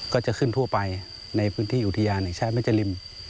ก็จะขึ้นทั่วไปในพื้นที่อุทยานแห่งชาติแม่เจริม